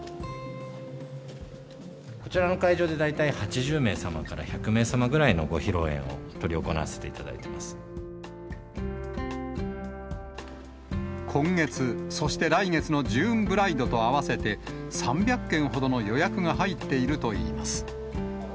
こちらの会場で、大体８０名様から１００名様ぐらいのご披露宴を執り行わせていた今月、そして来月のジューンブライドと合わせて、３００件ほどの予約が入っているといいます。